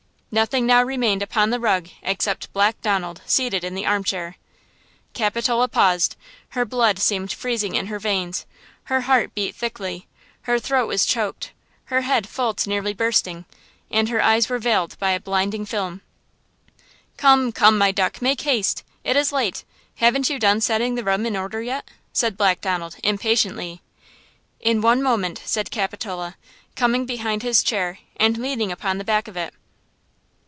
Nothing now remained upon the rug except Black Donald seated in the armchair! Capitola paused; her blood seemed freezing in her veins; her heart beat thickly; her throat was choked; her head full nearly to bursting, and her eyes were veiled by a blinding film. "Come–come–my duck–make haste; it is late; haven't you done setting the room in order yet?" said Black Donald, impatiently. "In one moment," said Capitola, coming behind his chair and leaning upon the back of it.